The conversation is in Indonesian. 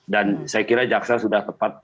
dan saya kira jaksa sudah tepat